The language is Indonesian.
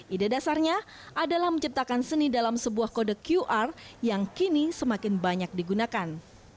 ide dasarnya adalah menciptakan seni dalam sebuah kode qr yang kini semakin banyak digunakan